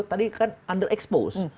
jadi kan underexpose